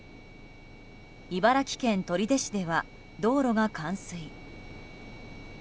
茨城県取手市では道路が冠水。